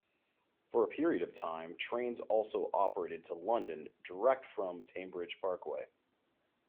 For a period of time trains also operated to London direct from Tamebridge Parkway.